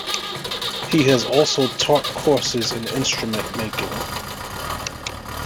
He has also taught courses in instrument making.